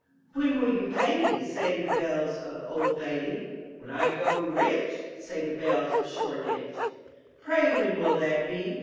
When will you pay me?" Say the bells of Old Bailey. When I grow rich," Say the bells of Shoreditch. *Tray when will that be?"